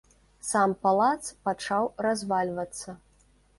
Сам палац пачаў развальвацца.